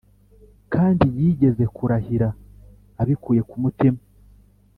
kandi (yigeze kurahira) abikuye ku mutima.